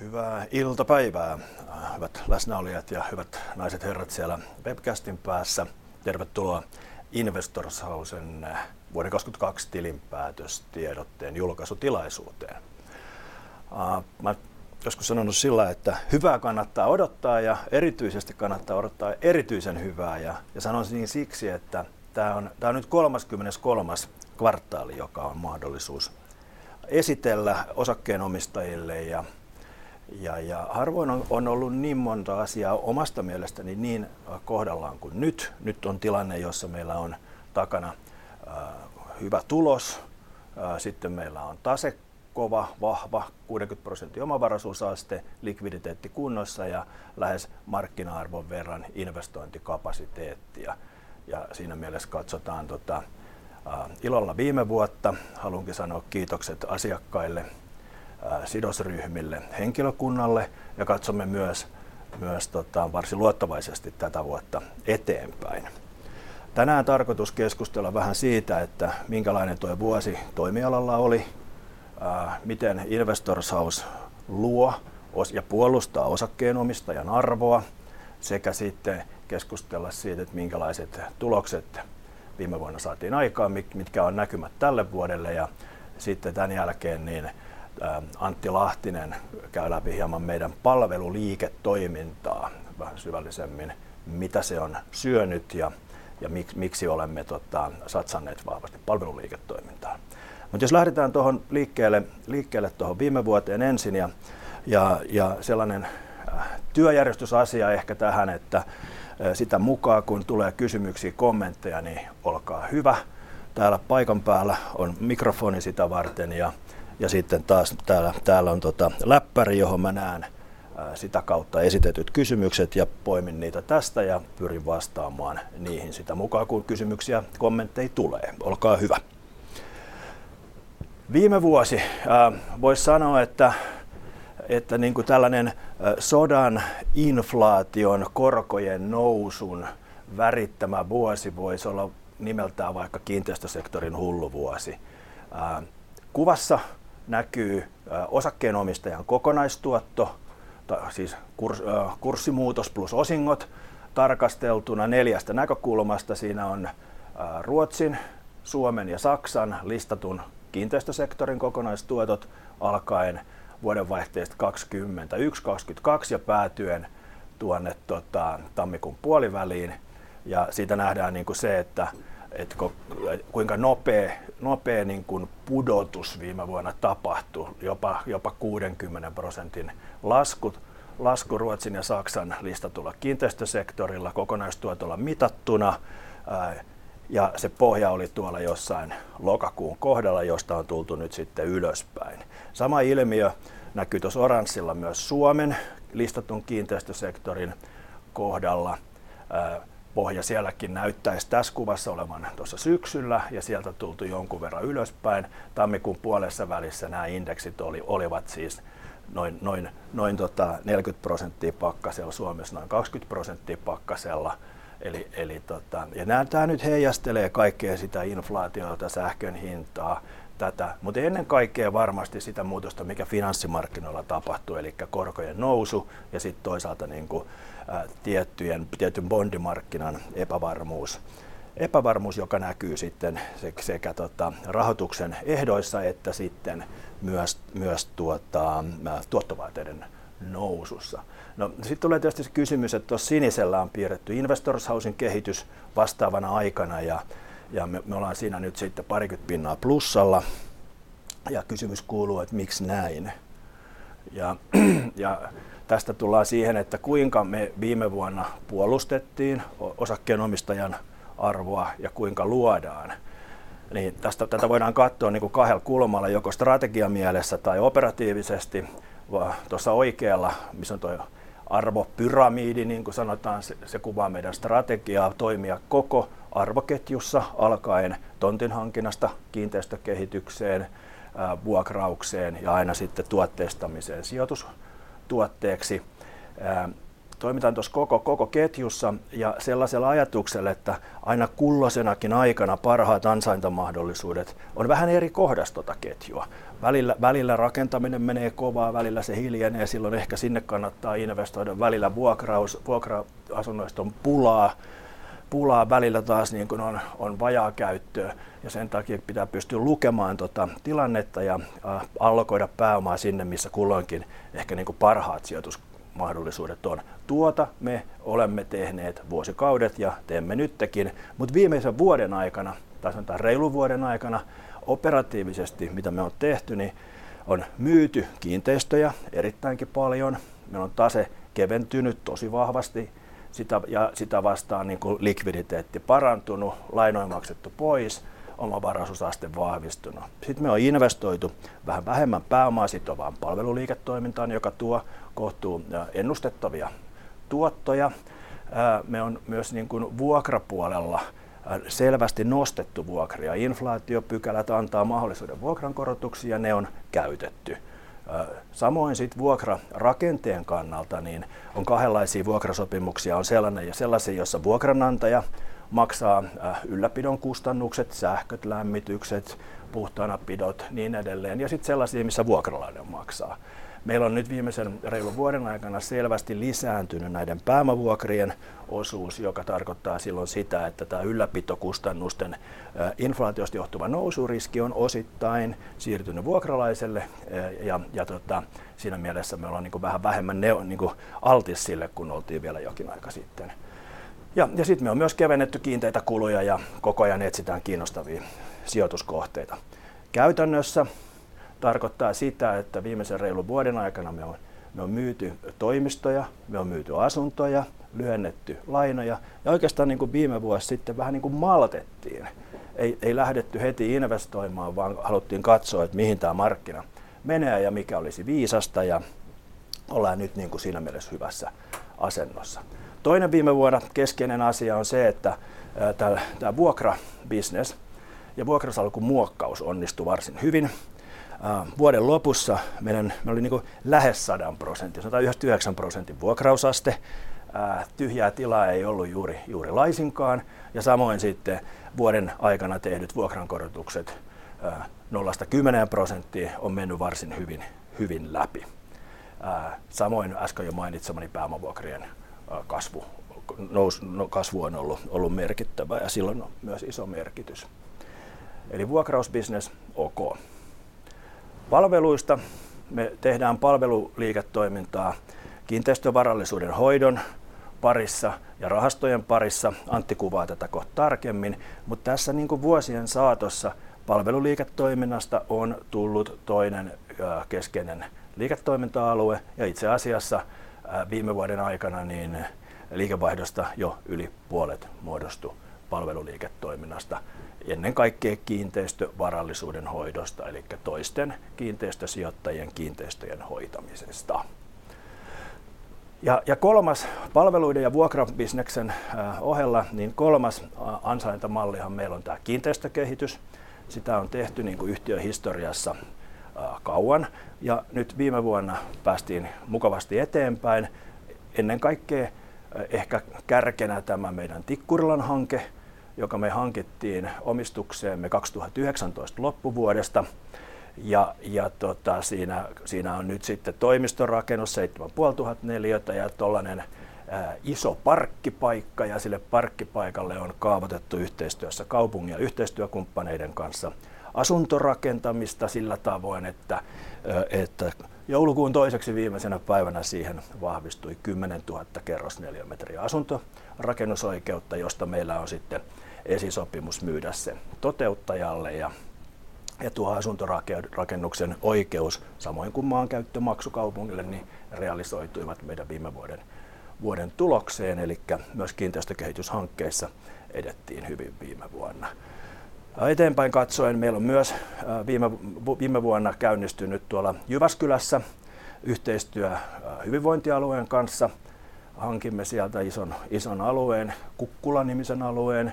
Hyvää iltapäivää hyvät läsnäolijat ja hyvät naiset herrat siellä webcastin päässä. Tervetuloa Investors Housen vuoden 2022 tilinpäätöstiedotteen julkaisutilaisuuteen. Mä oon joskus sanonut sillä, että hyvää kannattaa odottaa ja erityisesti kannattaa odottaa erityisen hyvää. Sanon niin siksi, että tämä on nyt 33. kvartaali, joka on mahdollisuus esitellä osakkeenomistajille ja harvoin on ollut niin monta asiaa omasta mielestäni niin kohdallaan kuin nyt. Nyt on tilanne, jossa meillä on takana hyvä tulos. Meillä on tase kova, vahva, 60 %:n omavaraisuusaste, likviditeetti kunnossa ja lähes markkina-arvon verran investointikapasiteettia ja siinä mielessä katsotaan tota ilolla viime vuotta. Haluankin sanoa kiitokset asiakkaille, sidosryhmille, henkilökunnalle ja katsomme myös tota varsin luottavaisesti tätä vuotta eteenpäin. Tänään tarkoitus keskustella vähän siitä, että minkälainen tuo vuosi toimialalla oli. Miten Investors House luo ja puolustaa osakkeenomistajan arvoa sekä sitten keskustella siitä, minkälaiset tulokset viime vuonna saatiin aikaan, mitkä on näkymät tälle vuodelle. Sitten tän jälkeen niin Antti Lahtinen käy läpi hieman meidän palveluliiketoimintaa vähän syvällisemmin. Mitä se on syönyt ja miksi olemme satsanneet vahvasti palveluliiketoimintaan. Jos lähdetään tuohon liikkeelle tuohon viime vuoteen ensin. Sellainen työjärjestysasia ehkä tähän, että sitä mukaa kun tulee kysymyksiä kommentteja, niin olkaa hyvä. Täällä paikan päällä on mikrofoni sitä varten. Sitten taas täällä on läppäri, johon mä näen sitä kautta esitetyt kysymykset ja poimin niitä tästä ja pyrin vastaamaan niihin sitä mukaa kun kysymyksiä kommentteja tulee. Olkaa hyvä. Viime vuosi. Voisi sanoa, että tällainen sodan, inflaation, korkojen nousun värittämä vuosi voisi olla nimeltään vaikka kiinteistösektorin hullu vuosi. Kuvassa näkyy osakkeenomistajan kokonaistuotto. Siis kurssimuutos plus osingot tarkasteltuna four näkökulmasta. Siinä on Ruotsin, Suomen ja Saksan listatun kiinteistösektorin kokonaistuotot alkaen vuodenvaihteesta 2021-2022 ja päätyen tuonne tammikuun puoliväliin. Siitä nähdään niinku se, että, kuinka nopee niinkun pudotus viime vuonna tapahtu. Jopa 60% lasku Ruotsin ja Saksan listatulla kiinteistösektorilla kokonaistuotolla mitattuna. Se pohja oli tuolla jossain lokakuun kohdalla, josta on tultu nyt sitten ylöspäin. Sama ilmiö näkyy tuossa oranssilla myös Suomen listatun kiinteistösektorin kohdalla. Pohja sielläkin näyttäis tässä kuvassa olevan tuossa syksyllä ja sieltä tultu jonkun verran ylöspäin. Tammikuun puolessa välissä nää indeksit olivat siis noin 40% pakkasella, Suomessa noin 20% pakkasella. Tämä nyt heijastelee kaikkea sitä inflaatiota, sähkön hintaa, tätä, mutta ennen kaikkea varmasti sitä muutosta, mikä finanssimarkkinoilla tapahtuu elikkä korkojen nousu. Sitten toisaalta niinku tietyn bondimarkkinan epävarmuus, joka näkyy sitten sekä rahoituksen ehdoissa että sitten myös tuottovaateiden nousussa. Sitten tulee tietysti se kysymys, että tuossa sinisellä on piirretty Investors House kehitys vastaavana aikana. Me ollaan siinä nyt sitten 20% plussalla. Kysymys kuuluu, että miksi näin? Tästä tullaan siihen, että kuinka me viime vuonna puolustettiin osakkeenomistajan arvoa ja kuinka luodaan. Tästä tätä voidaan katsoa niinku kahel kulmalla joko strategiamielessä tai operatiivisesti. Tuossa oikealla missä on tuo arvopyramidi niinkun sanotaan. Se kuvaa meidän strategiaa toimia koko arvoketjussa alkaen tontin hankinnasta kiinteistökehitykseen, vuokraukseen ja aina sitten tuotteistamiseen sijoitustuotteeksi. Toimitaan tuossa koko ketjussa ja sellaisella ajatuksella, että aina kulloisenakin aikana parhaat ansaintamahdollisuudet on vähän eri kohdassa tuota ketjua. Välillä rakentaminen menee kovaa, välillä se hiljenee. Silloin ehkä sinne kannattaa investoida. Välillä vuokraus vuokra-asunnoista on pulaa, välillä taas niin kuin on vajaakäyttöä. Sen takia pitää pystyä lukemaan tota tilannetta ja allokoida pääomaa sinne, missä kulloinkin ehkä niinku parhaat sijoitusmahdollisuudet on. Me olemme tehneet vuosikaudet ja teemme nyttekin, mutta viimeisen vuoden aikana tai sanotaan reilun vuoden aikana operatiivisesti mitä me on tehty, niin on myyty kiinteistöjä erittäinkin paljon. Meillä on tase keventynyt tosi vahvasti sitä ja sitä vastaa likviditeetti parantunut, lainoja maksettu pois, omavaraisuusaste vahvistunut. Me on investoitu vähän vähemmän pääomasitovaan palveluliiketoimintaan, joka tuo kohtuu ennustettavia tuottoja. Me on myös vuokrapuolella selvästi nostettu vuokria. Inflaatiopykälät antaa mahdollisuuden vuokrankorotuksiin ja ne on käytetty. Samoin sitten vuokrarakenteen kannalta, niin on kahdenlaisia vuokrasopimuksia. On sellainen ja sellaisia, joissa vuokranantaja maksaa ylläpidon kustannukset, sähköt, lämmitykset. Puhtaanapidot niin edelleen ja sit sellaisia, missä vuokralainen maksaa. Meillä on nyt viimeisen reilun vuoden aikana selvästi lisääntynyt näiden pääomavuokrien osuus, joka tarkoittaa silloin sitä, että tää ylläpitokustannusten inflaatiosta johtuva nousRiski on osittain siirtyny vuokralaiselle. Siinä mielessä me ollaan niinku vähän vähemmän altis sille kun oltiin vielä jokin aika sitten. Sit me on myös kevennetty kiinteitä kuluja ja koko ajan etsitään kiinnostavii sijoituskohteita. Käytännössä tarkottaa sitä, että viimesen reilun vuoden aikana me on myyty toimistoja, me on myyty asuntoja, lyhennetty lainoja ja oikeastaan niinku viime vuos sitten vähän niinkun maltettiin. Ei lähdetty heti investoimaan, vaan haluttiin katsoa, et mihin tää markkina menee ja mikä olisi viisasta. Ollaan nyt niinku siinä mieles hyvässä asennossa. Toinen viime vuonna keskeinen asia on se, että tää vuokrabisnes ja vuokrasalkun muokkaus onnistu varsin hyvin. Vuoden lopussa meidän meolli niinku lähes 100%, sanotaan 90% vuokrausaste. Tyhjää tilaa ei ollu juuri laisinkaan. Samoin sitte vuoden aikana tehdyt vuokrankorotukset 0%-10% on menny varsin hyvin läpi. Samoin äsken jo mainitsemani pääomavuokrien kasvu on ollut merkittävä ja silloin on myös iso merkitys. Vuokrausbisnes ok. Palveluista me tehdään palveluliiketoimintaa kiinteistövarallisuuden hoidon parissa ja rahastojen parissa. Antti kuvaa tätä koht tarkemmin, mut tässä niinku vuosien saatossa palveluliiketoiminnasta on tullut toinen keskeinen liiketoiminta-alue. Itse asiassa viime vuoden aikana niin liikevaihdosta jo yli puolet muodostu palveluliiketoiminnasta. Ennen kaikkea kiinteistövarallisuuden hoidosta elikkä toisten kiinteistösijoittajien kiinteistöjen hoitamisesta. Kolmas palveluiden ja vuokrabisneksen ohella niin kolmas ansaintamallihan meillä on tää kiinteistökehitys. Sitä on tehty niinku yhtiön historiassa kauan ja nyt viime vuonna päästiin mukavasti eteenpäin. Ennen kaikkea ehkä kärkenä tämä meidän Tikkurilan hanke, joka me hankittiin omistukseemme 2019 loppuvuodesta. Tota siinä on nyt sitte toimistorakennus, 7,500 square meters ja tollanen iso parkkipaikka. Sille parkkipaikalle on kaavoitettu yhteistyössä kaupungin ja yhteistyökumppaneiden kanssa asuntorakentamista sillä tavoin, että joulukuun toiseksi viimeisenä päivänä siihen vahvistui 10,000 kerrosneliömetriä asuntorakennusoikeutta, josta meillä on sitten esisopimus myydä se toteuttajalle. Tuo asuntorakennuksen oikeus samoin kuin maankäyttömaksu kaupungille, niin realisoituivat meidän viime vuoden tulokseen. Myös kiinteistökehityshankkeissa edettiin hyvin viime vuonna. Eteenpäin katsoen meillä on myös viime vuonna käynnistynyt tuolla Jyväskylässä yhteistyö hyvinvointialueen kanssa. Hankimme sieltä ison alueen, Kukkula-nimisen alueen,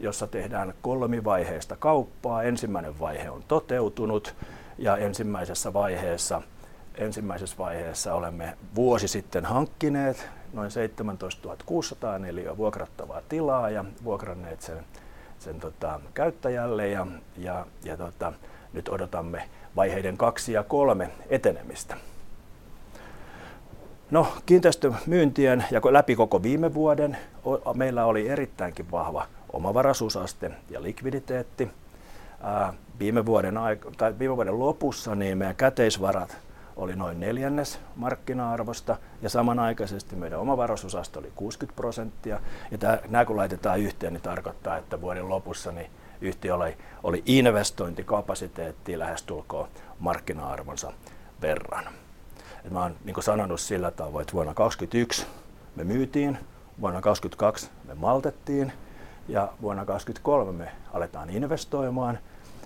jossa tehdään kolmivaiheista kauppaa. Ensimmäinen vaihe on toteutunut ja ensimmäisessä vaiheessa olemme vuosi sitten hankkineet noin 17,600 neliötä vuokrattavaa tilaa ja vuokranneet sen käyttäjälle. Nyt odotamme vaiheiden 2 ja 3 etenemistä. Kiinteistömyyntien ja läpi koko viime vuoden meillä oli erittäinkin vahva omavaraisuusaste ja likviditeetti. Viime vuoden lopussa, niin meidän käteisvarat oli noin neljännes markkina-arvosta ja samanaikaisesti meidän omavaraisuusaste oli 60%. Tää, nää kun laitetaan yhteen niin tarkottaa, että vuoden lopussa yhtiö oli investointikapasiteettii lähestulkoon markkina-arvonsa verran. Mä oon niinku sanonu sillä tavoin, et vuonna 2021 me myytiin, vuonna 2022 me maltettiin ja vuonna 2023 me aletaan investoimaan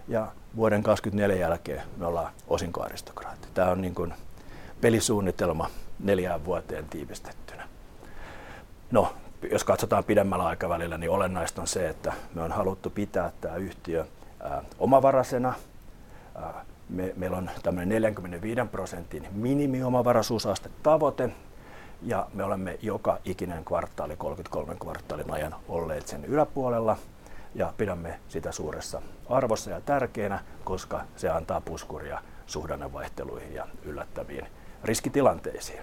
ja vuoden 2024 jälkeen me ollaan osinkoaristokraatteja. Tää on niinkun pelisuunnitelma 4 vuoteen tiivistettynä. Jos katsotaan pidemmällä aikavälillä, niin olennaist on se, että me on haluttu pitää tää yhtiö omavarasena. Meil on tämmönen 45% minimi omavaraisuusastetavoite, ja me olemme joka ikinen kvartaali 33 kvartaalin ajan olleet sen yläpuolella. Pidämme sitä suuressa arvossa ja tärkeenä, koska se antaa puskuria suhdannevaihteluihin ja yllättäviin riskitilanteisiin.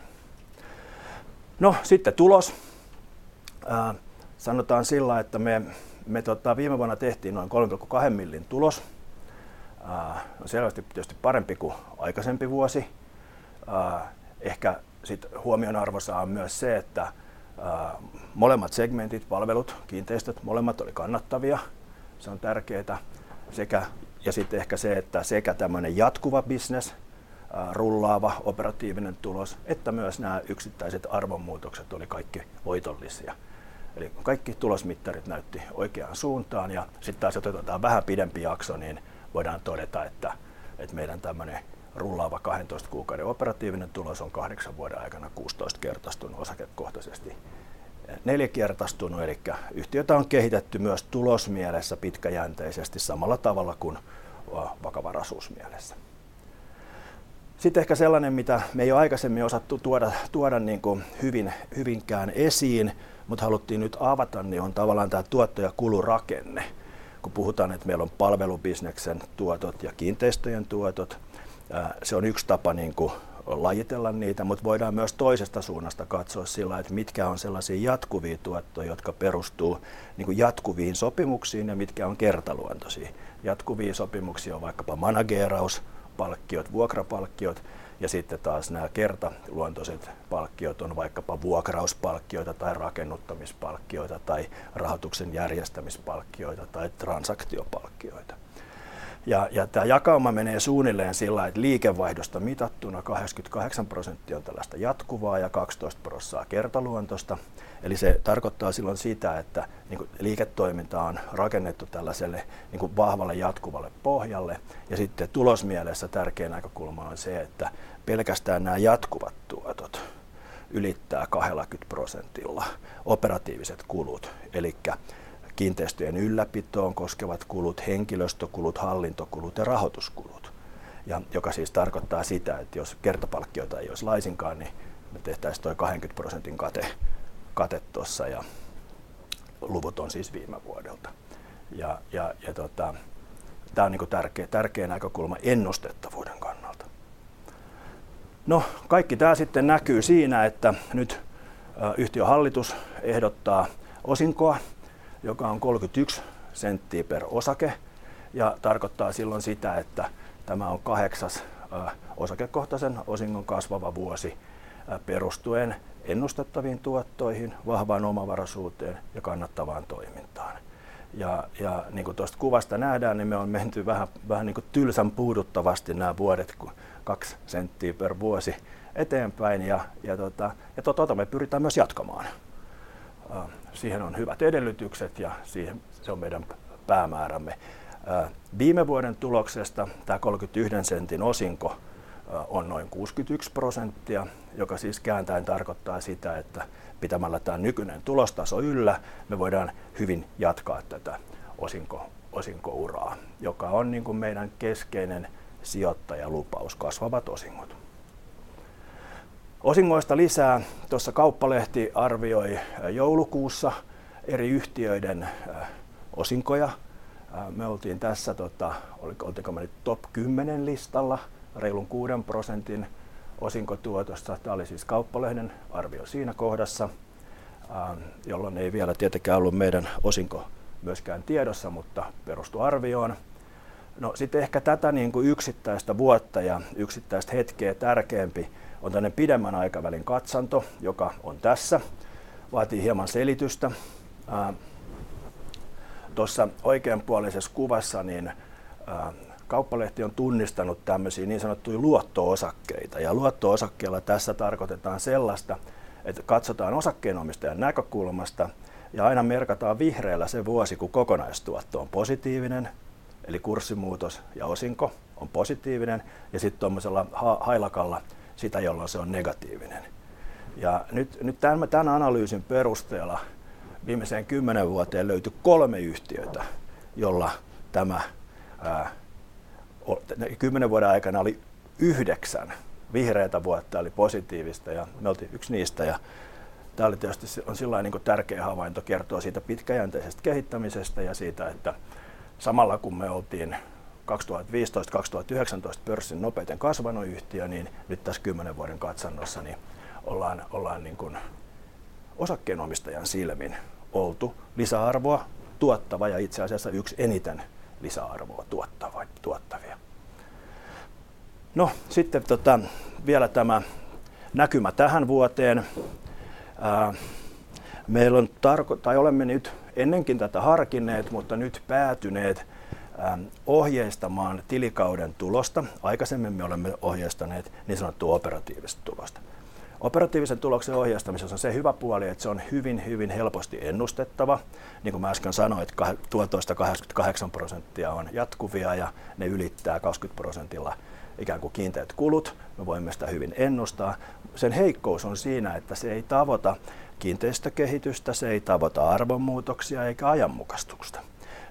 Sitte tulos. Sanotaan sillää, että me tota viime vuonna tehtiin noin 3.2 million tulos. On selvästi tietysti parempi kuin aikaisempi vuosi. Ehkä huomion arvoista on myös se, että molemmat segmentit, palvelut, kiinteistöt, molemmat oli kannattavia. Se on tärkeää sekä. Ehkä se, että sekä tällainen jatkuva bisnes, rullaava operatiivinen tulos että myös nämä yksittäiset arvonmuutokset oli kaikki voitollisia. Kaikki tulosmittarit näyttivät oikeaan suuntaan. Jos otetaan vähän pidempi jakso, niin voidaan todeta, että meidän tällainen rullaava 12 kuukauden operatiivinen tulos on 8 vuoden aikana 16-kertaistunut, osakekohtaisesti 4-kertaistunut. Yhtiötä on kehitetty myös tulosmielessä pitkäjänteisesti samalla tavalla kuin vakavaraisuusmielessä. Ehkä sellainen mitä me ei ole aikaisemmin osattu tuoda niin kuin hyvin hyvinkään esiin, mutta haluttiin nyt avata, niin on tavallaan tämä tuotto ja kulurakenne. Kun puhutaan, että meillä on palvelubisneksen tuotot ja kiinteistöjen tuotot. Se on yksi tapa niinku lajitella niitä, mut voidaan myös toisesta suunnasta katsoo sillai, et mitkä on sellasii jatkuvii tuottoja, jotka perustuu niinku jatkuviin sopimuksiin ja mitkä on kertaluontosii. Jatkuvii sopimuksii on vaikkapa manageeraus palkkiot, vuokrapalkkiot ja sitte taas nää kertaluontoset palkkiot on vaikkapa vuokrauspalkkioita tai rakennuttamispalkkioita tai rahoituksen järjestämispalkkioita tai transaktiopalkkioita. Tää jakauma menee suunnilleen sillai, et liikevaihdosta mitattuna 88% on tällasta jatkuvaa ja 12% kertaluontosta. Se tarkottaa sillon sitä, että niinku liiketoiminta on rakennettu tällaselle niinku vahvalle jatkuvalle pohjalle. Sitte tulosmielessä tärkein näkökulma on se, että pelkästään nää jatkuvat tuotot ylittää 20% operatiiviset kulut elikkä kiinteistöjen ylläpitoon koskevat kulut, henkilöstökulut, hallintokulut ja rahoituskulut. Joka siis tarkottaa sitä, et jos kertapalkkioita ei ois laisinkaan, niin me tehtäis toi 20% kate tossa. Luvut on siis viime vuodelta. Tää on niinku tärkein näkökulma ennustettavuuden kannalta. Kaikki tää sitten näkyy siinä, että nyt yhtiön hallitus ehdottaa osinkoa, joka on 0.31 per osake ja tarkottaa sillon sitä, että tämä on 8th osakekohtaisen osingon kasvava vuosi perustuen ennustettaviin tuottoihin, vahvaan omavaraisuuteen ja kannattavaan toimintaan. Niinku tosta kuvasta nähdään, niin me on menty vähän niinku tylsän puuduttavasti nää vuodet ku EUR 0.02 per vuosi eteenpäin. Me pyritään myös jatkamaan. Siihen on hyvät edellytykset ja siihen se on meidän päämäärämme. Viime vuoden tuloksesta tää 0.31 sentin osinko on noin 61%, joka siis kääntein tarkottaa sitä, että pitämällä tää nykyinen tulostaso yllä me voidaan hyvin jatkaa tätä osinkouraa, joka on niinku meidän keskeinen sijottajalupaus, kasvavat osingot. Osingoista lisää. Tossa Kauppalehti arvioi joulukuussa eri yhtiöiden osinkoja. Me oltiin tässä olteko me nyt top 10 listalla reilun 6% osinkotuotosta. Tää oli siis Kauppalehden arvio siinä kohdassa, jolloin ei vielä tietenkään ollut meidän osinko myöskään tiedossa, mutta perustui arvioon. Sit ehkä tätä niinku yksittäistä vuotta ja yksittäistä hetkeä tärkeämpi on tämmöinen pidemmän aikavälin katsanto, joka on tässä. Vaatii hieman selitystä. Tuossa oikeanpuoleisessa kuvassa niin Kauppalehti on tunnistanut tämmöisiä niin sanottuja luotto-osakkeita ja luotto-osakkeella tässä tarkoitetaan sellaista, että katsotaan osakkeenomistajan näkökulmasta ja aina merkataan vihreällä se vuosi, kun kokonaistuotto on positiivinen, eli kurssimuutos ja osinko on positiivinen. Sit tommoisella haa-hailakalla sitä, jolloin se on negatiivinen. Nyt tän analyysin perusteella viimeiseen 10 vuoteen löytyi 3 yhtiötä, jolla tämä oli 10 vuoden aikana oli 9 vihreää vuotta oli positiivista ja me oltiin yksi niistä. Tää oli tietysti se on sillai niinku tärkeä havainto kertoo siitä pitkäjänteisest kehittämisestä ja siitä, että samalla kun me oltiin 2015-2019 pörssin nopeiten kasvano yhtiö, niin nyt täs 10 vuoden katsannossa ni ollaan osakkeenomistajan silmin oltu lisäarvoa tuottava ja itse asiassa yks eniten lisäarvoa tuottava tuottavia. Sitten tota vielä tämä näkymä tähän vuoteen. Olemme nyt ennenkin tätä harkinneet, mutta nyt päätyneet ohjeistamaan tilikauden tulosta. Aikaisemmin me olemme ohjeistaneet niin sanottua operatiivista tulosta. Operatiivisen tuloksen ohjeistamisessa on se hyvä puoli, et se on hyvin helposti ennustettava. Niin ku mä äsken sanoin, et kah tuotoista 88% on jatkuvia ja ne ylittää 20% ikään kun kiinteät kulut. Me voimme sitä hyvin ennustaa. Sen heikkous on siinä, että se ei tavota kiinteistökehitystä. Se ei tavota arvonmuutoksia eikä ajanmukastusta,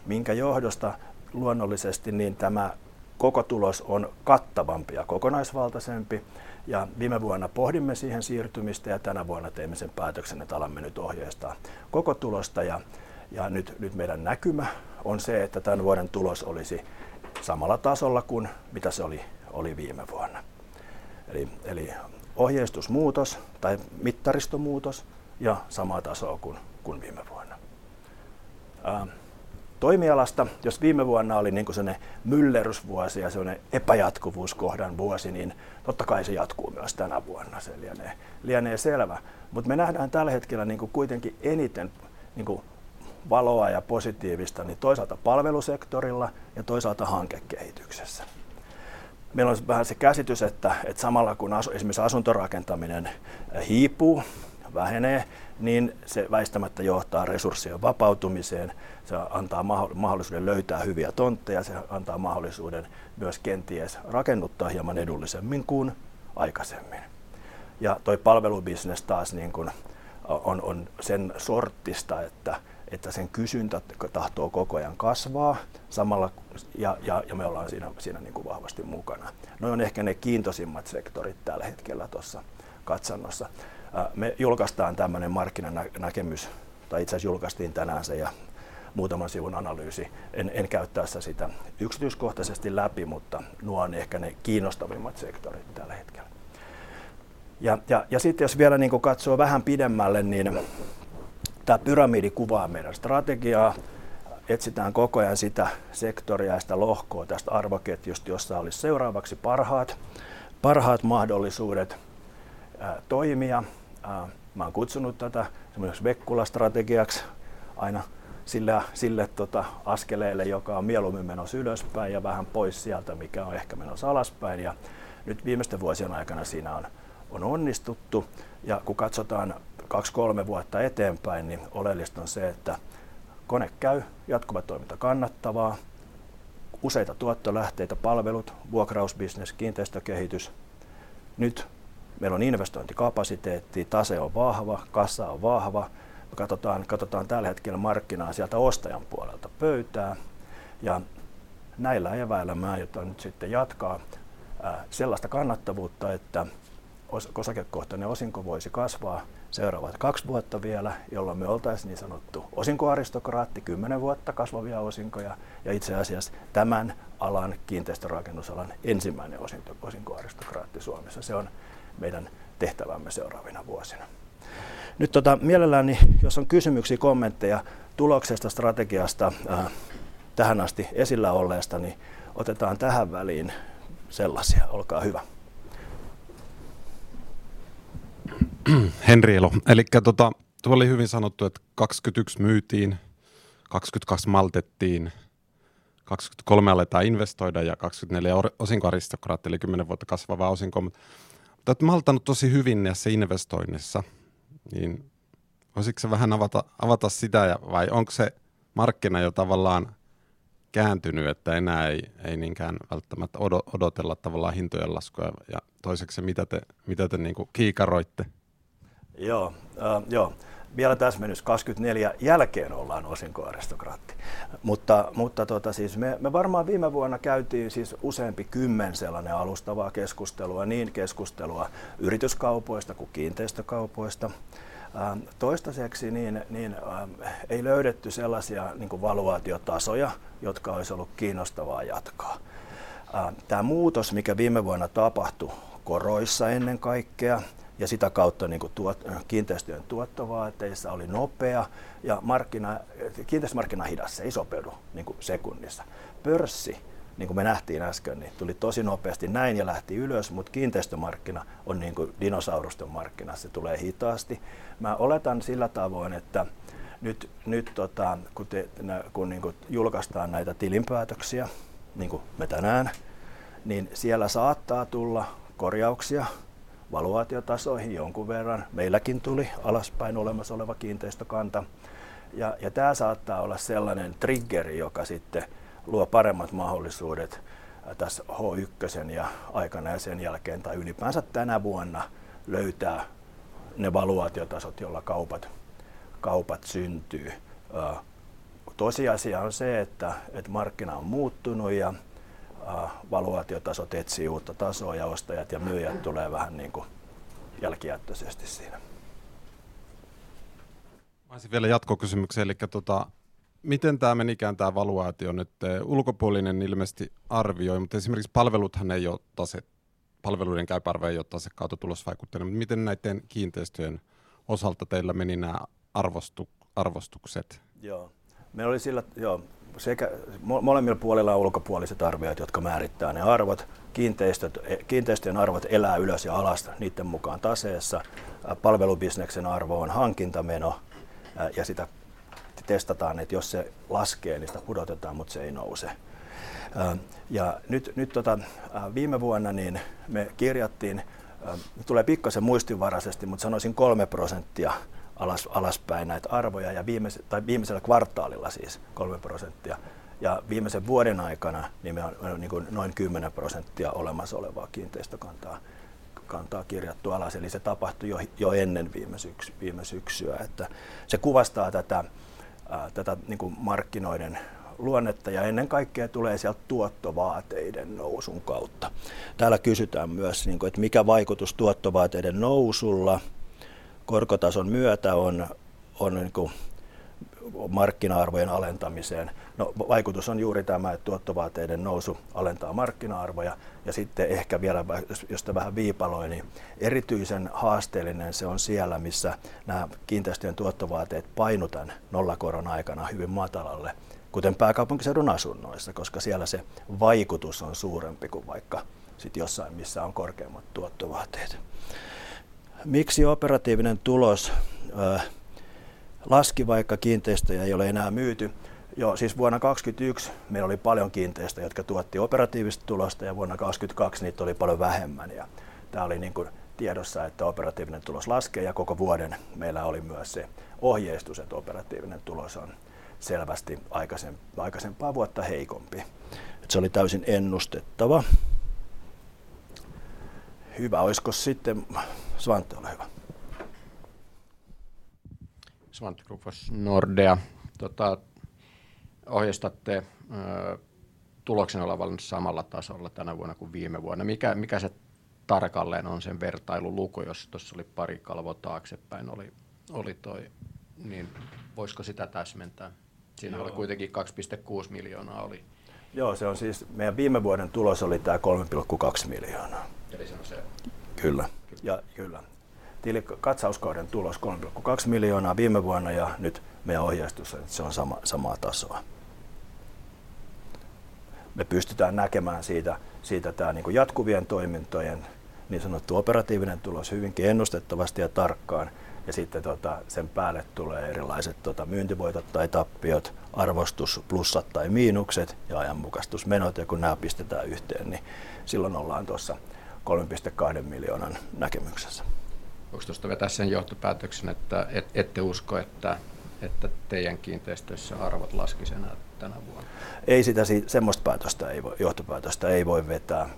minkä johdosta luonnollisesti niin tämä koko tulos on kattavampi ja kokonaisvaltasempi. Viime vuonna pohdimme siihen siirtymistä ja tänä vuonna teimme sen päätöksen, että alamme nyt ohjeistaa koko tulosta ja nyt meidän näkymä on se, että tän vuoden tulos olisi samalla tasolla kun mitä se oli viime vuonna. Eli ohjeistusmuutos tai mittaristomuutos. Samaa tasoo kun viime vuonna. Toimialasta. Jos viime vuonna oli niinku semmonen myllerrysvuosi ja semmonen epäjatkuvuuskohdan vuosi, niin totta kai se jatkuu myös tänä vuonna. Se lienee selvä. Me nähdään täl hetkellä niinku kuitenki eniten valoa ja positiivista, niin toisaalta palvelusektorilla ja toisaalta hankekehityksessä. Meil on vähän se käsitys, että et samalla kun esimerkiksi asuntorakentaminen hiipuu, vähenee, niin se väistämättä johtaa resurssien vapautumiseen. Se antaa mahdollisuuden löytää hyviä tontteja. Se antaa mahdollisuuden myös kenties rakennuttaa hieman edullisemmin kuin aikaisemmin. Toi palvelubisnes taas niin kuin sen sorttista, että sen kysyntä tahtoo koko ajan kasvaa samalla ja me ollaan siinä niin kuin vahvasti mukana. Noi on ehkä ne kiintoisimmat sektorit tällä hetkellä tuossa katsannossa. Me julkaistaan tällainen markkinanäkemys tai itse asiassa julkaistiin tänään se ja muutaman sivun analyysi. En käy tässä sitä yksityiskohtaisesti läpi, nuo on ehkä ne kiinnostavimmat sektorit tällä hetkellä. Sitten jos vielä niin kuin katsoo vähän pidemmälle, niin tämä pyramidi kuvaa meidän strategiaa. Etsitään koko ajan sitä sektoria ja sitä lohkoa tästä arvoketjusta, jossa olis seuraavaksi parhaat mahdollisuudet toimia. Mä oon kutsunut tätä semmoiseksi vekkulastrategiaksi. Aina sillä sille askeleelle, joka on mieluummin menossa ylöspäin ja vähän pois sieltä, mikä on ehkä menossa alaspäin. Nyt viimeisten vuosien aikana siinä on onnistuttu. Kun katsotaan 2-3 vuotta eteenpäin, niin oleellista on se, että kone käy, jatkuva toiminta kannattavaa. Useita tuottolähteitä palvelut, vuokrausbisnes, kiinteistökehitys. Nyt meillä on investointikapasiteettia. Tase on vahva, kassa on vahva. Katotaan tällä hetkellä markkinaa sieltä ostajan puolelta pöytää. Näillä eväillä mä aion nyt sitten jatkaa sellasta kannattavuutta, että osakekohtainen osinko voisi kasvaa seuraavat 2 vuotta vielä, jolloin me oltais niin sanottu osinkoaristokraatti 10 vuotta kasvavia osinkoja. Itse asiassa tämän alan kiinteistörakennusalan ensimmäinen osinkoaristokraatti Suomessa. Se on meidän tehtävämme seuraavina vuosina. Nyt mielelläni jos on kysymyksii, kommentteja tuloksesta, strategiasta tähän asti esillä olleesta, niin otetaan tähän väliin sellasia. Olkaa hyvä. Henri Elo. Elikkä tota tuo oli hyvin sanottu, et 2021 myytiin, 2022 maltettiin, 2023 aletaan investoida ja 2024 osinkoaristokraatti eli 10 vuotta kasvava osinko. Oot maltanu tosi hyvin tässä investoinneissa, niin voisiksä vähän avata sitä ja vai onks se markkina jo tavallaan kääntyny, että enää ei niinkään välttämättä odotella tavallaan hintojen laskuja? Toiseksi se mitä te, mitä te niinku kiikaroitte? Joo joo. Vielä täsmennys, 24 jälkeen ollaan osinkoaristokraatti. Varmaan viime vuonna käytiin siis useampi kymmenen sellainen alustavaa keskustelua, niin keskustelua yrityskaupoista kuin kiinteistökaupoista. Toistaiseksi ei löydetty sellaisia niinku valuaatiotasoja, jotka olisi ollut kiinnostavaa jatkaa. Tämä muutos mikä viime vuonna tapahtui koroissa ennen kaikkea ja sitä kautta niinku kiinteistöjen tuottovaateissa oli nopea ja markkina, kiinteistömarkkina on hidas. Se ei sopeudu niinku sekunnissa. Pörssi niinku me nähtiin äsken, niin tuli tosi nopeasti näin ja lähti ylös. Kiinteistömarkkina on niinku dinosaurusten markkina. Se tulee hitaasti. Minä oletan sillä tavoin, että nyt kun niinku julkaistaan näitä tilinpäätöksiä niinku me tänään, niin siellä saattaa tulla korjauksia valuaatiotasoihin jonkun verran. Meilläkin tuli alaspäin olemassa oleva kiinteistökanta. Tää saattaa olla sellanen triggeri, joka sitten luo paremmat mahdollisuudet täs H1:sen ja aikana ja sen jälkeen tai ylipäänsä tänä vuonna löytää ne valuaatiotasot, joilla kaupat syntyy. Tosiasia on se, että markkina on muuttunu ja valuaatiotasot etsii uutta tasoa ja ostajat ja myyjät tulee vähän niinku jälkijättöisesti siinä. Mä oisin vielä jatkokysymyksen. Miten tää menikään tää valuaatio nyt ulkopuolinen ilmeisesti arvioi, mutta esimerkiksi palveluthan ei oo palveluiden käypä arvo ei oo tasekauden tulosvaikutteinen. Miten näitten kiinteistöjen osalta teillä meni nää arvostukset? Meil oli sillä sekä molemmil puolilla on ulkopuoliset arvioijat, jotka määrittää ne arvot. Kiinteistöt, kiinteistöjen arvot elää ylös ja alas niitten mukaan taseessa. Palvelubisneksen arvo on hankintameno ja sitä testataan, et jos se laskee, niin sitä pudotetaan, mut se ei nouse. Nyt viime vuonna niin me kirjattiin tulee pikkasen muistinvaraisesti, mut sanoisin 3% alaspäin näit arvoja ja viimesellä kvartaalilla siis 3%. Viimesen vuoden aikana niin me on niinku noin 10% olemassa olevaa kiinteistökantaa kirjattu alas. Se tapahtui jo ennen viime syksyä. Se kuvastaa tätä niinku markkinoiden luonnetta ja ennen kaikkea tulee sielt tuottovaateiden nousun kautta. Täällä kysytään myös niinku, et mikä vaikutus tuottovaateiden nousulla korkotason myötä on niinku markkina-arvojen alentamiseen. Vaikutus on juuri tämä, et tuottovaateiden nousu alentaa markkina-arvoja. Ehkä vielä jos tämä vähän viipaloi, niin erityisen haasteellinen se on siellä, missä nää kiinteistöjen tuottovaateet painu tän nollakoron aikana hyvin matalalle, kuten pääkaupunkiseudun asunnoissa, koska siellä se vaikutus on suurempi ku vaikka sit jossain missä on korkeammat tuottovaateet. Miksi operatiivinen tulos laski, vaikka kiinteistöjä ei ole enää myyty? Joo siis vuonna 2021 meil oli paljon kiinteistöjä, jotka tuotti operatiivista tulosta ja vuonna 2022 niitä oli paljon vähemmän. Tää oli niinku tiedossa, että operatiivinen tulos laskee ja koko vuoden meillä oli myös se ohjeistus, et operatiivinen tulos on selvästi aikaisempaa vuotta heikompi. Et se oli täysin ennustettava. Hyvä, oiskos sitten... Svante, ole hyvä. Ohjastatte tuloksen olevan samalla tasolla tänä vuonna kuin viime vuonna. Mikä se tarkalleen on sen vertailuluku? Jos tuossa oli pari kalvoa taaksepäin toi, niin voisiko sitä täsmentää? Siinähän oli kuitenkin 2.6 million oli. Se on siis meidän viime vuoden tulos oli tää 3.2 million. Se on se. Kyllä ja kyllä. Tilikatsauskauden tulos 3.2 miljoonaa viime vuonna. Nyt meidän ohjeistus, että se on samaa tasoa. Me pystytään näkemään siitä tää niinku jatkuvien toimintojen niin sanottu operatiivinen tulos hyvinkin ennustettavasti ja tarkkaan. Sitten sen päälle tulee erilaiset myyntivoitot tai tappiot, arvostusplussat tai miinukset ja ajanmukaistusmenot. Kun nää pistetään yhteen, niin silloin ollaan tuossa 3.2 miljoonan näkemyksessä. Voiko tuosta vetää sen johtopäätöksen, että ette usko, että teidän kiinteistöissä arvot laskis enää tänä vuonna? Ei sitä semmosta johtopäätöstä ei voi vetää.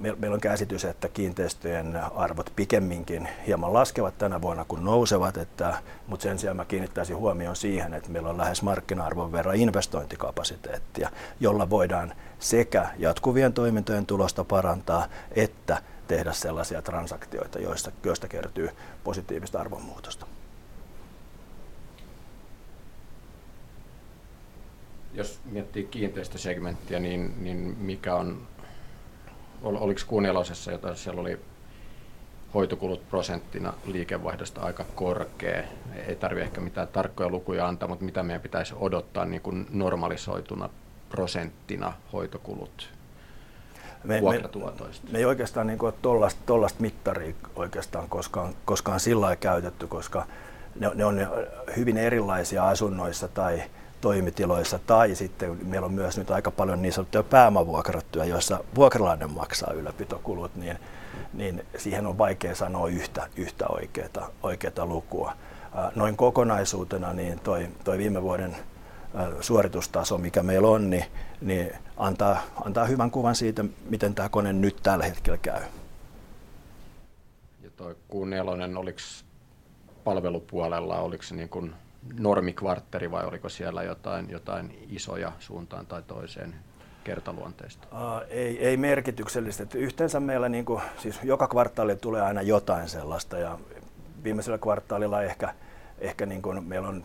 Meillä on käsitys, että kiinteistöjen arvot pikemminkin hieman laskevat tänä vuonna kuin nousevat. Sen sijaan mä kiinnittäisin huomion siihen, että meillä on lähes markkina-arvon verran investointikapasiteettia, jolla voidaan sekä jatkuvien toimintojen tulosta parantaa että tehdä sellaisia transaktioita, joista kertyy positiivista arvonmuutosta. Miettii kiinteistösegmenttiä, niin mikä on? Oliko Q4:ssä jotain? Siellä oli hoitokulut prosenttina liikevaihdosta aika korkea. Ei tarvi ehkä mitään tarkkoja lukuja antaa, mut mitä meidän pitäis odottaa niin kun normalisoituna prosenttina hoitokulut vuokratuotoista? Me ei oikeastaan niinku tollast mittarii oikeastaan koskaan sillai käytetty, koska ne on hyvin erilaisia asunnoissa tai toimitiloissa. Tai sitten meillä on myös nyt aika paljon niin sanottuja pääomavuokrauttuja, joissa vuokralainen maksaa ylläpitokulut. Siihen on vaikea sanoa yhtä oikeeta lukua. Noin kokonaisuutena, toi viime vuoden suoritustaso mikä meillä on niin antaa hyvän kuvan siitä, miten tää kone nyt tällä hetkellä käy. Toi Q4 oliks palvelupuolella, oliks se niin kun normikvartteri vai oliko siellä jotain isoja suuntaan tai toiseen kertaluonteista? Ei, ei merkityksellistä. Yhteensä meillä niinku siis joka kvartaalille tulee aina jotain sellaista. Viimeisellä kvartaalilla ehkä niin kun meillä on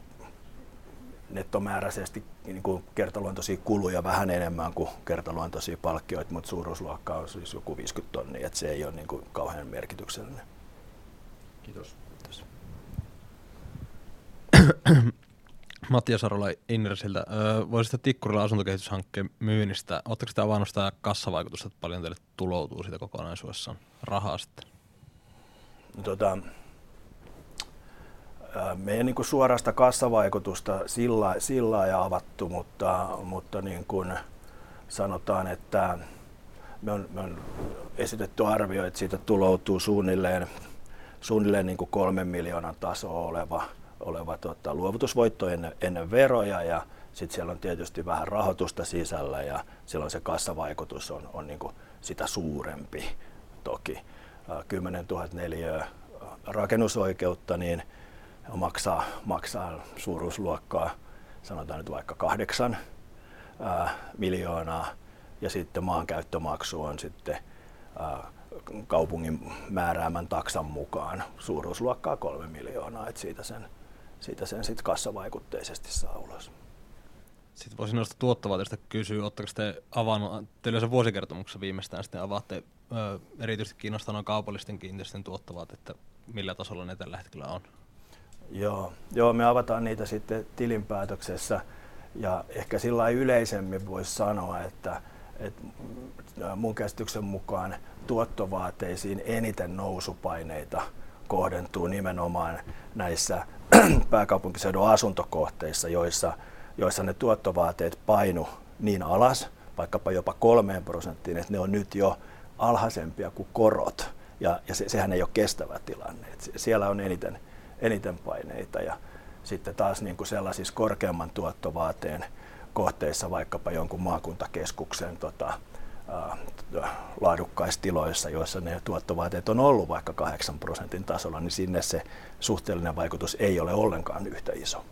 nettomääräsesti niinku kertaluontoisia kuluja vähän enemmän kuin kertaluontoisia palkkioita. Suuruusluokkaa ois siis joku 50,000, et se ei oo niinku kauhean merkityksellinen. Kiitos, kiitos. Matias Arola Inderesin. Voisitte Tikkurilan asuntokehityshankkeen myynnistä. Oottekste avannut sitä kassavaikutusta, et paljon teille tuloutuu siitä kokonaisuudessaan rahaa sitten? Me ei niinku suoraan sitä kassavaikutusta sillai avattu, mutta niin kun sanotaan, että me on esitetty arvio, että siitä tuloutuu suunnilleen niinku 3 million tasoa oleva luovutusvoitto ennen veroja. Sit siellä on tietysti vähän rahoitusta sisällä ja silloin se kassavaikutus on niinku sitä suurempi. 10,000 neliöö rakennusoikeutta niin maksaa suuruusluokkaa sanotaan nyt vaikka 8 million. Sitten maankäyttömaksu on sitten kaupungin määräämän taksan mukaan suuruusluokkaa 3 million. Siitä sen sit kassavaikutteisesti saa ulos. Voisin noista tuottovaateista kysyä. Ootteks te avannut te yleensä vuosikertomuksessa viimeistään sitten avaatte? Erityisesti kiinnostaa nuo kaupallisten kiinteistöjen tuottovaateet, että millä tasolla ne tällä hetkellä on. Joo, joo, me avataan niitä sitten tilinpäätöksessä. Ehkä sillai yleisemmin vois sanoa, mun käsityksen mukaan tuottovaateisiin eniten nousupaineita kohdentuu nimenomaan näissä pääkaupunkiseudun asuntokohteissa, joissa ne tuottovaateet painu niin alas vaikkapa jopa 3%, ne on nyt jo alhasempia kuin korot. Sehän ei oo kestävä tilanne. Siellä on eniten paineita. Sitten taas sellaisis korkeamman tuottovaateen kohteissa vaikkapa jonkun maakuntakeskuksen laadukkaissa tiloissa, joissa ne tuottovaateet on ollu vaikka 8% tasolla, niin sinne se suhteellinen vaikutus ei ole ollenkaan yhtä iso.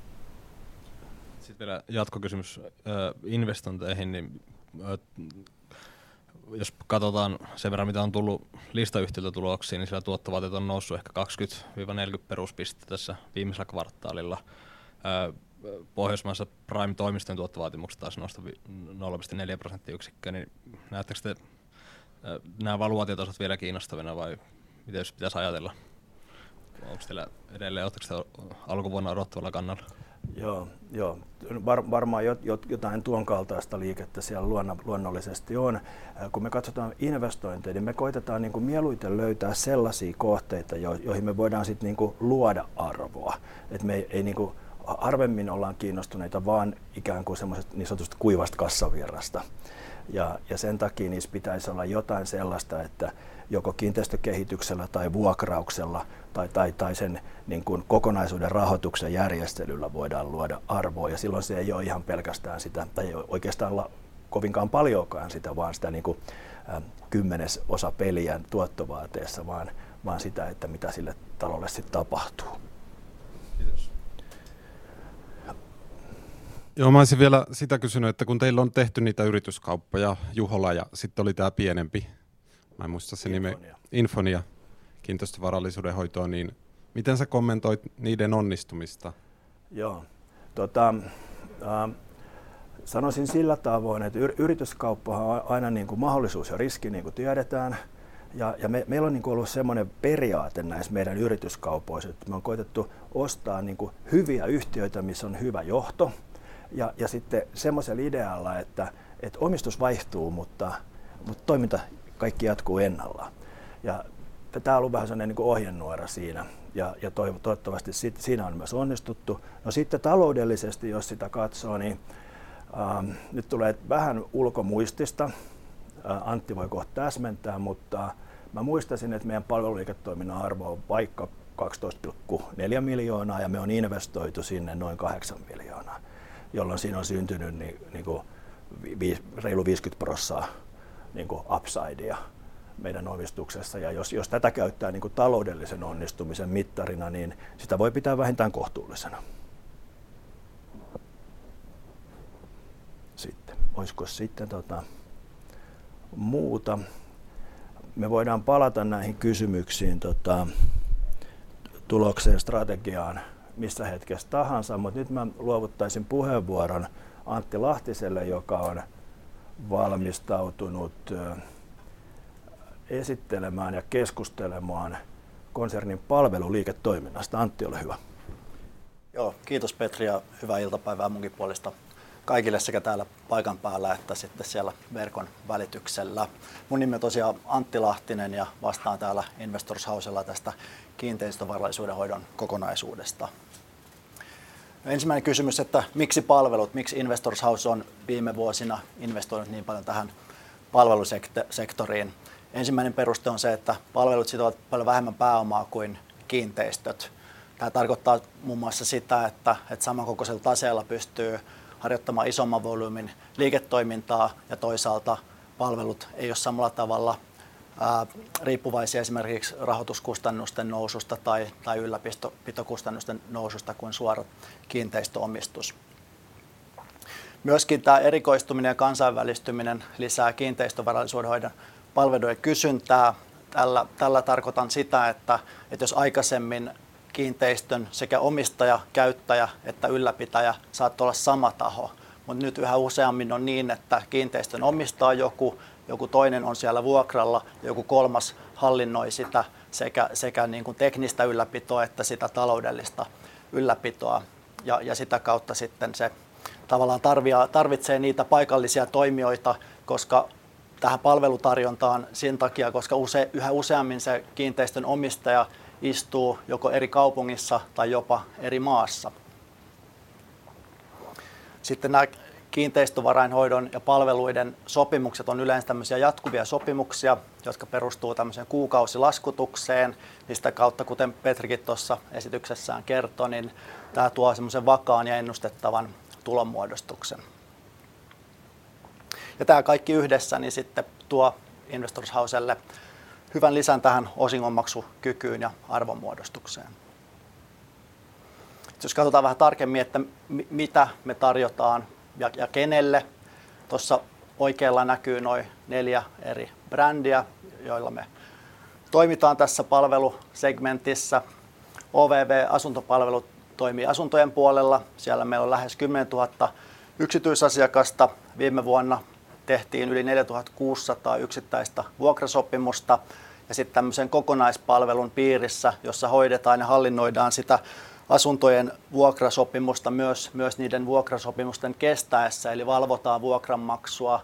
vielä jatkokysymys investointeihin, niin jos katotaan sen verran mitä on tullu listayhtiöiltä tuloksia, niin siellä tuottovaateet on noussu ehkä 20-40 peruspistettä tässä viimeisellä kvartaalilla. Pohjoismaissa prime-toimistojen tuottovaatimukset taas nousi 0.4 percentage points, niin näätteks te nää valuaatiotasot vielä kiinnostavina vai miten se pitäis ajatella? Onks teillä edelleen, ootteks te alkuvuonna odotetulla kannalla? Joo, joo. Varmaan jotain tuon kaltaista liikettä siellä luonnollisesti on. Kun me katsotaan investointeja, niin me koitetaan niinku mieluiten löytää sellasii kohteita, joihin me voidaan sit niinku luoda arvoa. Me ei niinku harvemmin olla kiinnostuneita vaan ikään kuin semmosest niin sanotusta kuivasta kassavirrasta, ja sen takii niis pitäis olla jotain sellaista, että joko kiinteistökehityksellä tai vuokrauksella tai, tai sen niinkun kokonaisuuden rahoituksen järjestelyllä voidaan luoda arvoa. Silloin se ei oo ihan pelkästään sitä tai ei oikeastaan olla kovinkaan paljoakaan sitä, vaan sitä niinku kymmenesosapeliä tuottovaateessa vaan sitä, että mitä sille talolle sit tapahtuu. Mä oisin vielä sitä kysynyt, että kun teillä on tehty niitä yrityskauppoja Juhola ja sit oli tää pienempi. Mä en muista se nimi Infonia kiinteistövarallisuuden hoitoon, niin miten sä kommentoit niiden onnistumista? Joo, tota, sanoisin sillä tavoin, että yrityskauppahan on aina niinku mahdollisuus ja riski niin kuin tiedetään. Ja meillä on niinku ollut semmonen periaate näis meidän yrityskaupoissa, että me on koitettu ostaa niinku hyviä yhtiöitä mis on hyvä johto ja sitte semmosella idealla, että omistus vaihtuu. Toiminta kaikki jatkuu ennallaan. Tää on ollut vähän semmonen niinku ohjenuora siinä ja toivottavasti siinä on myös onnistuttu. No taloudellisesti jos sitä katsoo, niin nyt tulee vähän ulkomuistista. Antti voi kohta täsmentää, mutta mä muistaisin, että meidän palveluliiketoiminnan arvo on vaikka 12.4 million ja me on investoitu sinne noin 8 million, jolloin siinä on syntynyt niinku reilu 50% niinku upsidea meidän omistuksessa. Jos tätä käyttää niinku taloudellisen onnistumisen mittarina, niin sitä voi pitää vähintään kohtuullisena. Oisko sitten tota muuta. Me voidaan palata näihin kysymyksiin, tulokseen, strategiaan missä hetkessä tahansa. Nyt mä luovuttaisin puheenvuoron Antti Lahtiselle, joka on valmistautunut esittelemään ja keskustelemaan konsernin palveluliiketoiminnasta. Antti, ole hyvä. Kiitos Petri ja hyvää iltapäivää munkin puolesta kaikille sekä täällä paikan päällä että sitten siellä verkon välityksellä. Mun nimi on tosiaan Antti Lahtinen ja vastaan täällä Investors Housella tästä kiinteistövarallisuudenhoidon kokonaisuudesta. Ensimmäinen kysymys, että miksi palvelut? Miksi Investors House on viime vuosina investoinut niin paljon tähän sektoriin? Ensimmäinen peruste on se, että palvelut sitovat paljon vähemmän pääomaa kuin kiinteistöt. Tää tarkoittaa muun muassa sitä, että, et samankokoisella taseella pystyy harjoittamaan isomman volyymin liiketoimintaa ja toisaalta palvelut ei ole samalla tavalla riippuvaisia esimerkiksi rahoituskustannusten noususta tai ylläpitokustannusten noususta kuin suora kiinteistöomistus. Myöskin tää erikoistuminen ja kansainvälistyminen lisää kiinteistövarallisuuden hoidon palvelujen kysyntää. Tällä tarkoitan sitä, että jos aikaisemmin kiinteistön sekä omistaja, käyttäjä että ylläpitäjä saattoi olla sama taho, mutta nyt yhä useammin on niin, että kiinteistön omistaa joku, toinen on siellä vuokralla ja joku kolmas hallinnoi sitä sekä niinku teknistä ylläpitoa että sitä taloudellista ylläpitoa ja sitä kautta sitten se tavallaan tarvitsee niitä paikallisia toimijoita, koska tähän palvelutarjontaan sen takia, koska yhä useammin se kiinteistön omistaja istuu joko eri kaupungissa tai jopa eri maassa. Nää kiinteistövarainhoidon ja palveluiden sopimukset on yleensä tämmösiä jatkuvia sopimuksia, jotka perustuu tämmöseen kuukausilaskutukseen, niin sitä kautta, kuten Petrikin tuossa esityksessään kerto, niin tää tuo semmosen vakaan ja ennustettavan tulonmuodostuksen. Tää kaikki yhdessä niin sitten tuo Investors Houselle hyvän lisän tähän osingonmaksukykyyn ja arvonmuodostukseen. Jos katotaan vähän tarkemmin, että mitä me tarjotaan ja kenelle. Tossa oikealla näkyy noi neljä eri brändiä, joilla me toimitaan tässä palvelusegmentissä. OVV Asuntopalvelut toimii asuntojen puolella. Siellä meillä on lähes 10,000 yksityisasiakasta. Viime vuonna tehtiin yli 4,600 yksittäistä vuokrasopimusta. Sitten tämmösen kokonaispalvelun piirissä, jossa hoidetaan ja hallinnoidaan sitä asuntojen vuokrasopimusta myös niiden vuokrasopimusten kestäessä. Eli valvotaan vuokranmaksua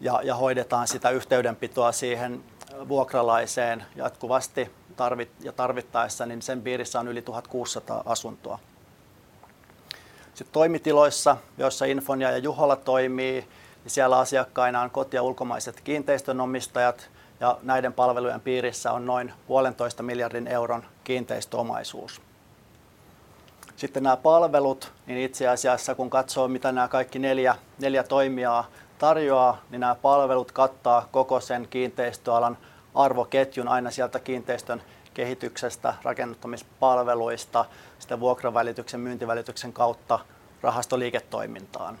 ja hoidetaan sitä yhteydenpitoa siihen vuokralaiseen jatkuvasti tarvittaessa, niin sen piirissä on yli 1,600 asuntoa. Sitten toimitiloissa, joissa Infonia ja Juhola toimii, niin siellä asiakkaina on koti- ja ulkomaiset kiinteistönomistajat ja näiden palvelujen piirissä on noin EUR 1.5 billion kiinteistöomaisuus. Sitten nää palvelut, niin itse asiassa kun katsoo mitä nää kaikki neljä toimijaa tarjoaa, niin nää palvelut kattaa koko sen kiinteistöalan arvoketjun aina sieltä kiinteistön kehityksestä, rakennuttamispalveluista, sitten vuokravälityksen myyntivälityksen kautta rahastoliiketoimintaan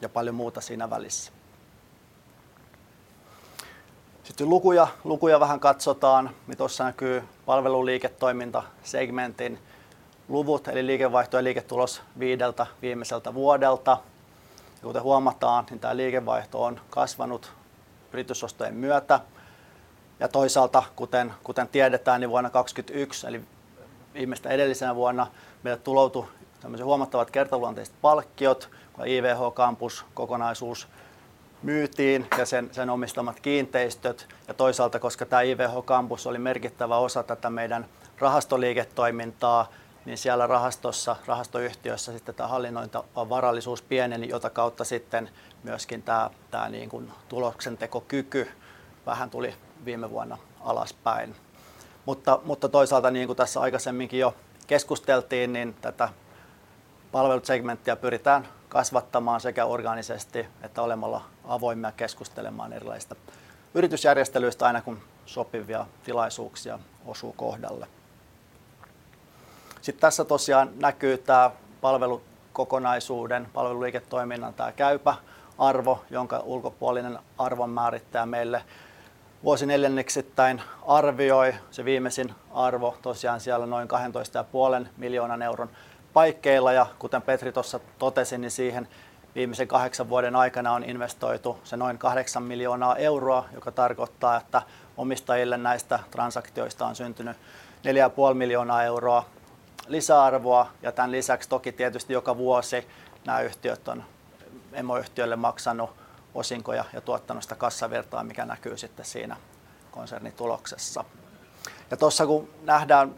ja paljon muuta siinä välissä. Sitten lukuja vähän katsotaan, niin tuossa näkyy palveluliiketoimintasegmentin luvut eli liikevaihto ja liiketulos 5 viimeiseltä vuodelta. Kuten huomataan, niin tää liikevaihto on kasvanut yritysostojen myötä ja toisaalta, kuten tiedetään, niin vuonna 2023, eli viimeistä edellisenä vuonna, meille tuloutui tämmöset huomattavat kertaluonteiset palkkiot, kun IVH Kampus -kokonaisuus myytiin ja sen omistamat kiinteistöt. Toisaalta koska tää IVH Kampus oli merkittävä osa tätä meidän rahastoliiketoimintaa, niin siellä rahastossa, rahastoyhtiöissä sitten tää hallinnointi varallisuus pieneni, jota kautta sitten myöskin tää niinkun tuloksentekokyky vähän tuli viime vuonna alaspäin. Toisaalta, niinku tässä aikaisemminkin jo keskusteltiin, niin tätä palvelusegmenttiä pyritään kasvattamaan sekä orgaanisesti että olemalla avoimia keskustelemaan erilaisista yritysjärjestelyistä aina kun sopivia tilaisuuksia osuu kohdalle. Tässä tosiaan näkyy tää palvelukokonaisuuden palveluliiketoiminnan tää käypä arvo, jonka ulkopuolinen arvonmäärittäjä meille vuosineljänneksittäin arvioi. Se viimeisin arvo tosiaan siellä noin 12.5 miljoonan euron paikkeilla. Kuten Petri tuossa totesi, niin siihen viimeisen 8 vuoden aikana on investoitu se noin 8 miljoonaa euroa, joka tarkoittaa, että omistajille näistä transaktioista on syntynyt 4.5 miljoonaa euroa lisäarvoa. Tän lisäksi toki tietysti joka vuosi nää yhtiöt on emoyhtiölle maksanu osinkoja ja tuottanu sitä kassavirtaa, mikä näkyy sitten siinä konsernituloksessa. Tossa kun nähdään,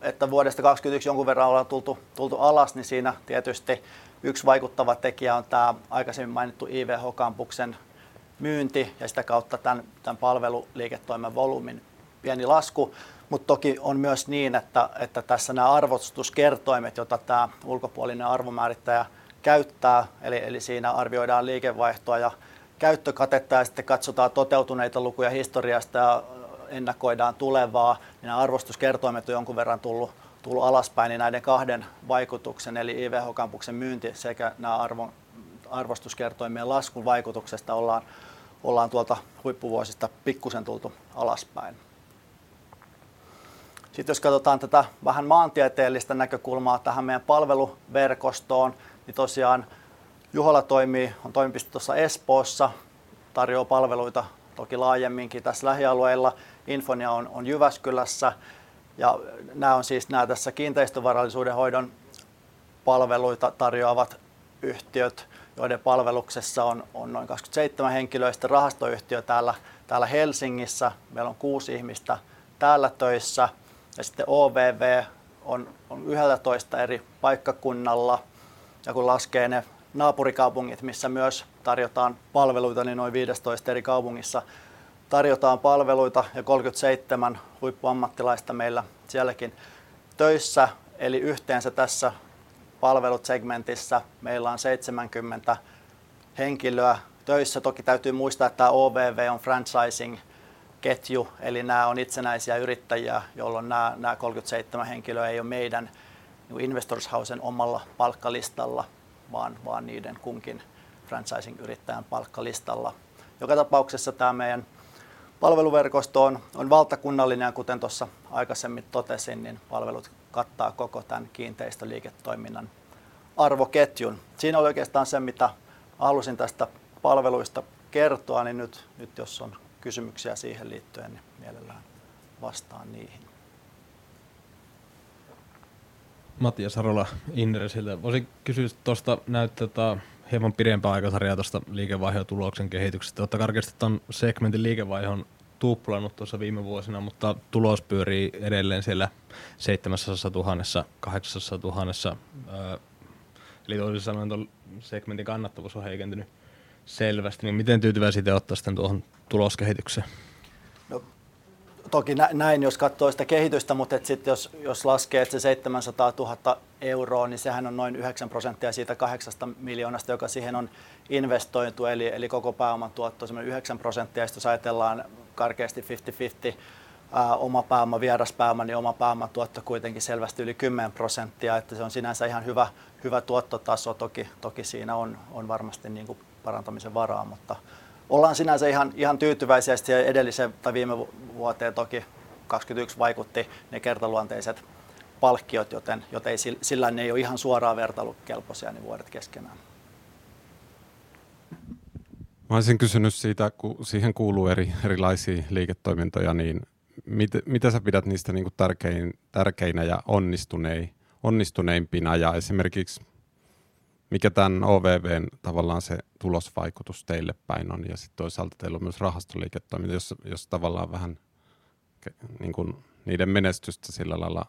että vuodesta 2021 jonkun verran ollaan tultu alas, niin siinä tietysti yks vaikuttava tekijä on tää aikaisemmin mainittu IVH Kampuksen myynti ja sitä kautta tän palveluliiketoiminnan volyymin pieni lasku. Toki on myös niin, että tässä nää arvostuskertoimet, joita tää ulkopuolinen arvonmäärittäjä käyttää eli siinä arvioidaan liikevaihtoa ja käyttökatetta ja sitten katsotaan toteutuneita lukuja historiasta ja ennakoidaan tulevaa. Nää arvostuskertoimet on jonkun verran tullu alaspäin, niin näiden kahden vaikutuksen eli IVH Kampuksen myynti sekä nää arvostuskertoimien laskun vaikutuksesta ollaan tuolta huippuvuosista pikkusen tultu alaspäin. Jos katotaan tätä vähän maantieteellistä näkökulmaa tähän meidän palveluverkostoon, niin tosiaan Juhola on toimipiste tuossa Espoossa. Tarjoo palveluita toki laajemminkin tässä lähialueilla. Infonia on Jyväskylässä. Nää on siis tässä kiinteistövarallisuuden hoidon palveluita tarjoavat yhtiöt, joiden palveluksessa on noin 27 henkilöä. Rahastoyhtiö täällä Helsingissä. Meillä on 6 ihmistä täällä töissä ja sitten OVV on 11 eri paikkakunnalla. Kun laskee ne naapurikaupungit, missä myös tarjotaan palveluita, niin noin 15 eri kaupungissa tarjotaan palveluita ja 37 huippuammattilaista meillä sielläkin töissä. Yhteensä tässä palvelut-segmentissä meillä on 70 henkilöä töissä. Toki täytyy muistaa, että OVV on franchising-ketju, eli nää on itsenäisiä yrittäjiä, jolloin nää 37 henkilöä ei ole meidän Investors Housen omalla palkkalistalla, vaan niiden kunkin franchising-yrittäjän palkkalistalla. Joka tapauksessa tää meidän palveluverkosto on valtakunnallinen ja kuten tuossa aikaisemmin totesin, niin palvelut kattaa koko tän kiinteistöliiketoiminnan arvoketjun. Siinä oli oikeastaan se, mitä halusin tästä palveluista kertoa. Nyt jos on kysymyksiä siihen liittyen, niin mielellään vastaan niihin. Matias Arola Inderesiltä. Voisin kysyä tosta. Näytit tota hieman pidempää aikasarjaa tosta liikevaihdon ja tuloksen kehityksestä. Tota karkeasti ton segmentin liikevaihto on tuplaantunut tuossa viime vuosina, mutta tulos pyörii edelleen siellä EUR 700 thousand, 800 thousand. Toisin sanoen ton segmentin kannattavuus on heikentynyt selvästi, niin miten tyytyväisiä te ootte sitten tuohon tuloskehitykseen? No toki näin jos katsoo sitä kehitystä, mutta et sit jos laskee, et se 700,000, niin sehän on noin 9% siitä 8 million, joka siihen on investoitu. Eli koko pääoman tuotto on semmoinen 9%. Sitten jos ajatellaan karkeasti 50/50, oma pääoma vieras pääoma, niin oma pääoma tuotto kuitenkin selvästi yli 10%. Se on sinänsä ihan hyvä tuottotaso. Toki siinä on varmasti niinku parantamisen varaa, mutta ollaan sinänsä ihan tyytyväisiä. Siihen edelliseen tai viime vuoteen toki 2021 vaikutti ne kertaluonteiset palkkiot, joten sillain ne ei ole ihan suoraan vertailukelpoisia ne vuodet keskenään. Mä olisin kysynyt siitä, kun siihen kuuluu erilaisia liiketoimintoja, niin mitä sä pidät niistä niin kuin tärkeinä ja onnistuneimpina? Esimerkiksi mikä tän OVV:n tavallaan se tulosvaikutus teille päin on? Sitten toisaalta teillä on myös rahastoliiketoimintaa, jossa tavallaan vähän niin kuin niiden menestystä sillä lailla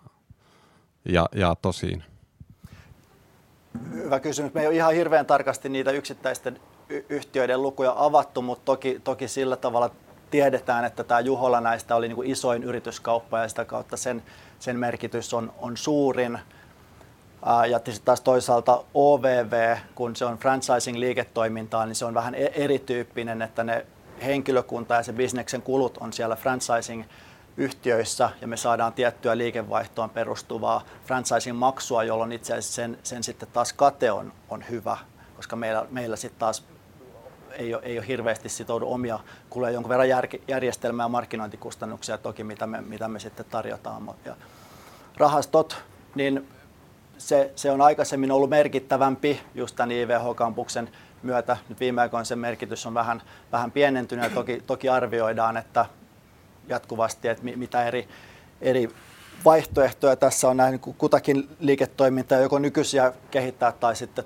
jaot siihen. Hyvä kysymys. Me ei oo ihan hirveän tarkasti niitä yksittäisten yhtiöiden lukuja avattu, mutta toki sillä tavalla tiedetään, että tää Juhola näistä oli niinku isoin yrityskauppa ja sitä kautta sen merkitys on suurin. Sitten taas toisaalta OVV. Kun se on franchising-liiketoimintaa, niin se on vähän eri tyyppinen, että ne henkilökunta ja sen bisneksen kulut on siellä franchising-yhtiöissä ja me saadaan tiettyä liikevaihtoon perustuvaa franchising-maksua, jolloin itse asiassa sen sitten taas kate on hyvä, koska meillä sitten taas ei ole hirveästi sitoudu omia... Kuluu jonkun verran järjestelmä- ja markkinointikustannuksia toki mitä me, mitä me sitten tarjotaan. Rahastot, niin se on aikaisemmin ollut merkittävämpi just tän IVH Campuksen myötä. Nyt viime aikoina sen merkitys on vähän pienentynyt. Toki arvioidaan, että jatkuvasti, mitä eri vaihtoehtoja tässä on näin niinku kutakin liiketoimintaa joko nykyisiä kehittää tai sitten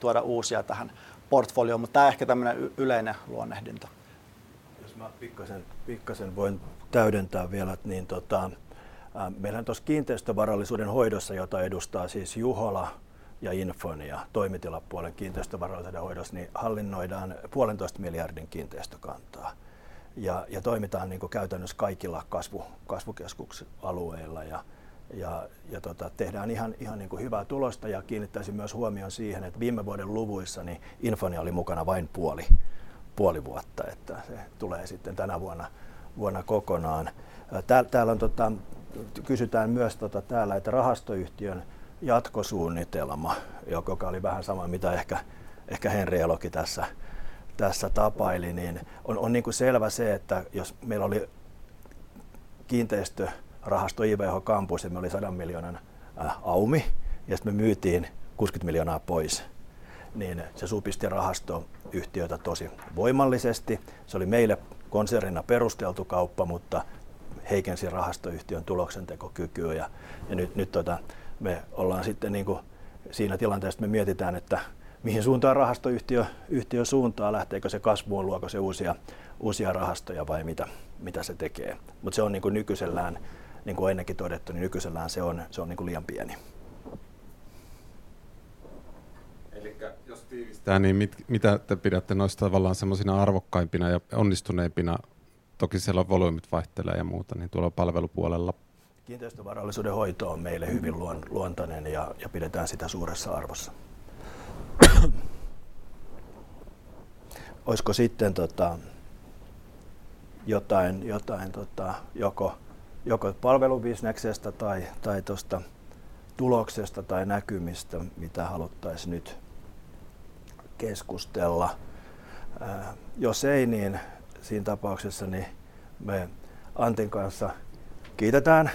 tuoda uusia tähän portfolioon. Tää ehkä tämmöinen yleinen luonnehdinta. Jos mä pikkaisen voin täydentää vielä, niin meillähän tuossa kiinteistövarallisuuden hoidossa, jota edustaa siis Juhola ja Infonia toimitilapuolen kiinteistövarallisuuden hoidossa, niin hallinnoidaan EUR 1.5 billion kiinteistökantaa ja toimitaan niinku käytännössä kaikilla kasvukeskusalueilla ja tehdään ihan niinku hyvää tulosta. Kiinnittäisin myös huomion siihen, että viime vuoden luvuissa niin Infonia oli mukana vain puoli vuotta, että se tulee sitten tänä vuonna kokonaan. Täällä on Kysytään myös täällä, että rahastoyhtiön jatkosuunnitelma, joka oli vähän sama mitä ehkä Henri Elokin tässä tapaili, niin on niinku selvä se, että jos meillä oli kiinteistörahasto IVH Kampus ja me oli 100 million aumi ja sitten me myytiin 60 million pois, niin se supisti rahastoyhtiötä tosi voimallisesti. Se oli meille konsernina perusteltu kauppa, mutta heikensi rahastoyhtiön tuloksentekokykyä. Nyt tota me ollaan sitten niinku siinä tilanteessa, että me mietitään, että mihin suuntaan rahastoyhtiö suuntaa, lähteekö se kasvuun, luoko se uusia rahastoja vai mitä se tekee? Se on niinku nykyisellään, niin kuin on ennenkin todettu, niin nykyisellään se on niinku liian pieni. Jos tiivistää, niin mitä te pidätte noista tavallaan semmoisina arvokkaimpina ja onnistuneimpina? Toki siellä volyymit vaihtelee ja muuta niin tuolla palvelupuolella. Kiinteistövarallisuuden hoito on meille hyvin luontainen ja pidetään sitä suuressa arvossa. Oisko sitten jotain joko palvelubisneksestä tai tosta tuloksesta tai näkymistä mitä haluttais nyt keskustella? Jos ei, niin siinä tapauksessa niin me Antin kanssa kiitetään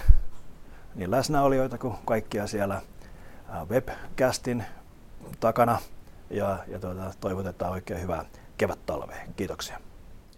niin läsnäolijoita kuin kaikkia siellä webcastin takana. Toivotetaan oikein hyvää kevättalvea. Kiitoksia!